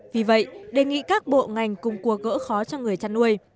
vì vậy đề nghị các bộ ngành cùng cuộc gỡ khó cho người trăn nuôi